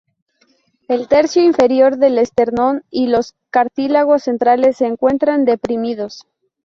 El tercio inferior del esternón y los cartílagos centrales se encuentran deprimidos.